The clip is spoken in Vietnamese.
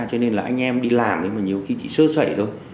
cho nên là anh em đi làm nhưng mà nhiều khi chỉ sơ sẩy thôi